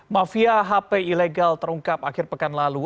mafia hp ilegal terungkap akhir pekan lalu